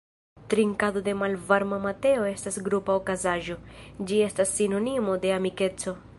Trinkado de malvarma mateo estas grupa okazaĵo, ĝi estas sinonimo de amikeco.